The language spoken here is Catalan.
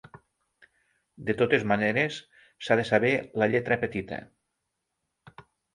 De totes maneres, s’ha de saber la lletra petita.